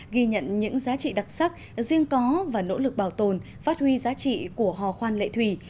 ghi nhận những giá trị đặc sắc riêng có và nỗ lực bảo tồn phát huy giá trị của hò khoan lệ thủy